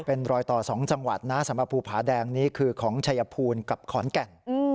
เป็นรอยต่อ๒จังหวัดนะสำหรับภูผาแดงนี้คือของชัยภูมิกับขอนแก่น